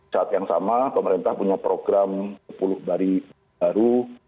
saat yang sama pemerintah punya program sepuluh bari baru